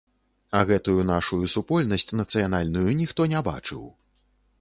А гэтую нашую супольнасць нацыянальную ніхто не бачыў.